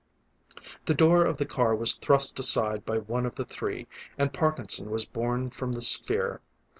The door of the car was thrust aside by one of the three, and Parkinson was borne from the sphere.